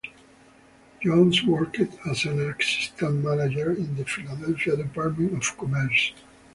Jones worked as an assistant manager in the Philadelphia Department of Commerce.